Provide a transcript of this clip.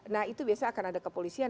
nah itu biasanya akan ada kepolisian